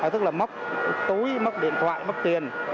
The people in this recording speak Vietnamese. tức là mắc túi mắc điện thoại mắc tiền